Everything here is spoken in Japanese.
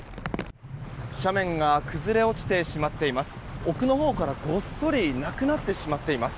斜面が崩れ落ちてしまっています。